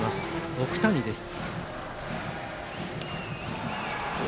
奥谷です。